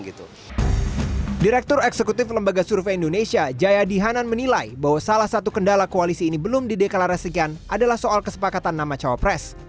direktur eksekutif lembaga survei indonesia jayadi hanan menilai bahwa salah satu kendala koalisi ini belum dideklarasikan adalah soal kesepakatan nama cawapres